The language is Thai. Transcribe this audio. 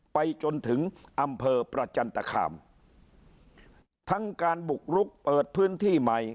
ไปจนถึงอำเภอประจันตคามทั้งการบุกรุกเปิดพื้นที่ใหม่